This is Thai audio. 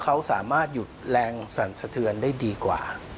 เขาสามารถหยุดแรงสั่นสะเทือนได้ดีกว่า